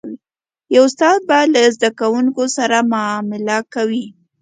یو استاد به له زده کوونکو سره معامله کوي.